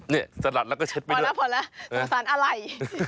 เนี่ยสะหัดแล้วก็เช็ดไปด้วยพอแล้วสงสัยอะไร